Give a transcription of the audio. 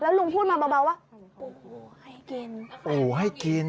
แล้วลุงพูดมาเบาว่าปูให้กิน